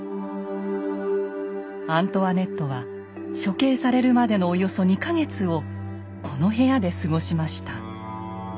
アントワネットは処刑されるまでのおよそ２か月をこの部屋で過ごしました。